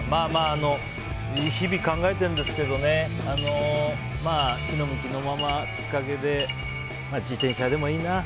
日々考えてるんですけどね気の向くまま自転車でもいいな。